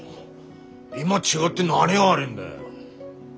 今違って何が悪いんだよ。